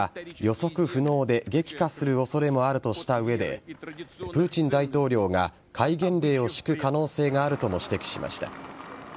さらに今後数カ月の状況は予測不能で激化する恐れもあるとした上でプーチン大統領が戒厳令を敷く可能性があるとも指摘しました。